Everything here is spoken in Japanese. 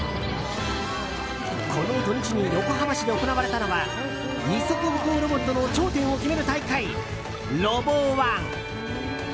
この土日に横浜市で行われたのは二足歩行ロボットの頂点を決める大会ＲＯＢＯ‐ＯＮＥ。